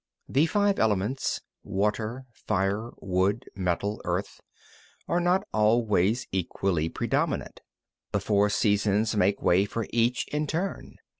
34. The five elements (water, fire, wood, metal, earth) are not always equally predominant; the four seasons make way for each other in turn.